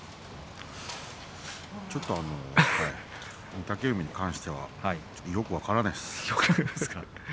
ちょっと御嶽海に関してはよく分からないです。